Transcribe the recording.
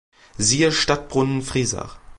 Siehe Stadtbrunnen Friesach.